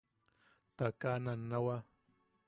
Ta kaa nannawa.